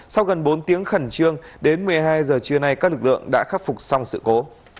sau gần bốn tiếng khẩn trương đến một mươi hai giờ trưa nay các lực lượng đã khắc phục xong sự cố